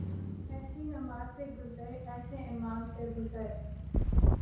ایسی نماز سے گزر ، ایسے امام سے گزر